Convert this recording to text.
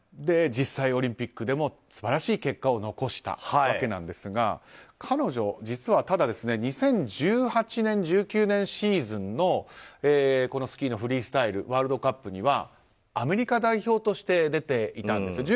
実際、オリンピックでも素晴らしい結果を残したわけなんですが彼女、実はただ２０１８年２０１９年シーズンのスキーのフリースタイルワールドカップにはアメリカ代表として出ていたんです。